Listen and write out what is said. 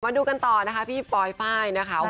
มาดูกันต่อนะคะพี่ปลอยไฟล์นะคะ